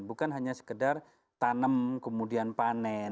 bukan hanya sekedar tanam kemudian panen